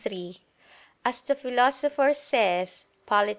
3: As the Philosopher says (Polit.